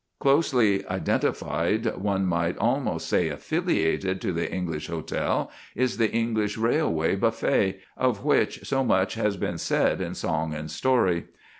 Closely identified, one might almost say affiliated, to the English hotel is the English railway buffet, of which so much has been said in song and story.